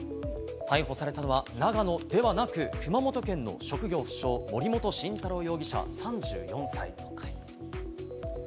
逮捕されたのは長野ではなく熊本県の職業不詳、森本晋太郎容疑者、３４歳。